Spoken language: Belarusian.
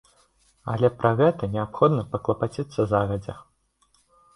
Але пра гэта неабходна паклапаціцца загадзя.